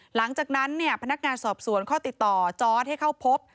หลังจากนั้นพนักงานสอบสวนก็ติดต่อจอร์ดให้เข้าพบ